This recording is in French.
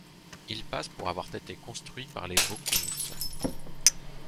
Il passe pour avoir été construit par les Voconces.